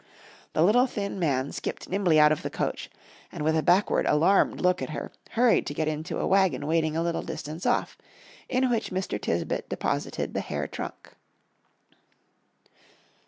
The little thin man skipped nimbly out of the coach, and, with a backward alarmed look at her, hurried to get into a wagon waiting a little distance off, in which Mr. Tisbett deposited the hair trunk.